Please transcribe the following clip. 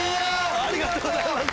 ありがとうございます！